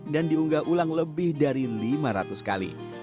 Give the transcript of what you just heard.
dan diunggah ulang lebih dari lima ratus kali